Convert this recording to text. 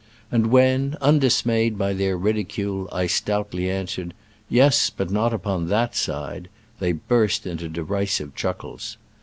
And when, undismayed by their ridicule, I stoutly answered, "Yes, but not upon that side," they burst into derisive chuckles.